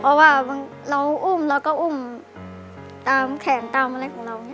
เพราะว่าเราอุ้มเราก็อุ้มตามแขนตามอะไรของเรา